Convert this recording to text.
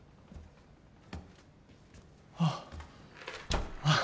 あっあっ。